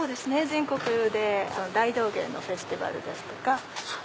全国で大道芸のフェスティバルですとか。